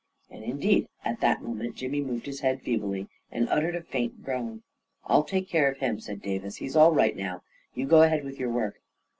And indeed at that moment Jimmy moved his head feebly and uttered a faint groan. " I'll take care of him," said Davis. " He's all right now. You go ahead with your work."